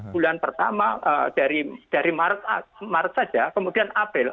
bulan pertama dari maret saja kemudian april